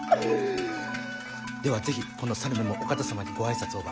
では是非この猿めもお方様にご挨拶をば。